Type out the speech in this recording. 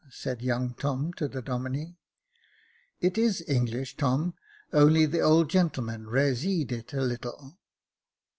" said young Tom to the Domine ? "It is English, Tom, only the old gentleman razeed it a little.